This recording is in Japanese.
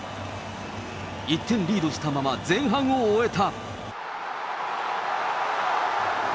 １点リードしたまま、前半を終えた。